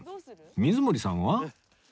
水森さんは？